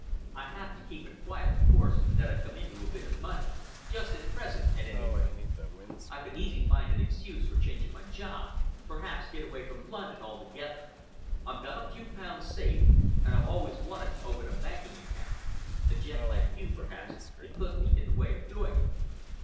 I'd have to keep it quiet, of course, that I'd come into a bit of money,—just at present, at any rate. I could easy find an excuse for changing my job—perhaps get away from London altogether. I've got a few pounds saved and I've always wanted to open a banking account. A gent like you, perhaps, could put me in the way of doing it."